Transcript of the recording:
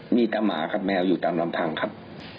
มีแต่หมาครับแมวอยู่ตามลำพังครับ